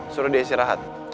suruh dia istirahat